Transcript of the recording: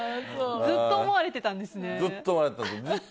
ずっと思われてたんです。